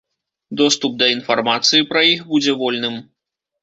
Доступ да інфармацыі пра іх будзе вольным.